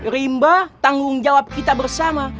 rimba tanggung jawab kita bersama